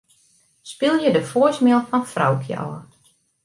Spylje de voicemail fan Froukje ôf.